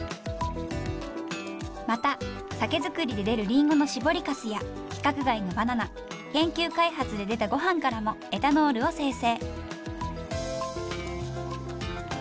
また酒造りで出るりんごの絞りかすや規格外のバナナ研究開発で出たごはんからもエタノールを精製。